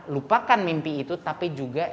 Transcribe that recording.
lupakan mimpi itu tapi juga